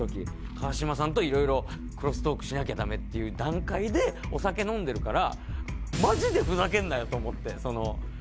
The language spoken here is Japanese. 川島さんと色々クロストークをしなきゃダメっていう段階でお酒飲んでるから。と思って。